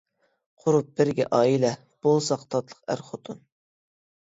قۇرۇپ بىرگە ئائىلە، بولساق تاتلىق ئەر-خوتۇن.